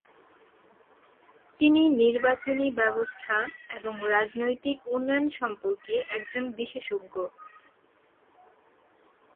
তিনি নির্বাচনী ব্যবস্থা এবং রাজনৈতিক উন্নয়ন সম্পর্কে একজন বিশেষজ্ঞ।